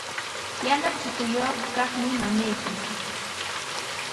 Yana chukuyuq kaqmi mamaaqa.